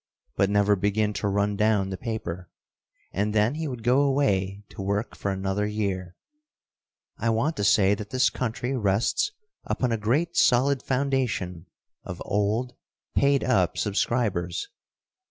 but never begin to run down the paper, and then he would go away to work for another year. [Illustration: THE RIGHT SORT OF SUBSCRIBER.] I want to say that this country rests upon a great, solid foundation of old, paid up subscribers.